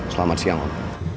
selamat siang om